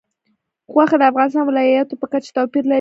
غوښې د افغانستان د ولایاتو په کچه توپیر لري.